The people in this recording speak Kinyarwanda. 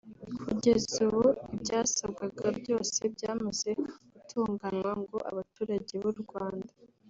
Kugeza ubu ibyasabwaga byose byamaze gutunganwa ngo abaturage b’u Rwanda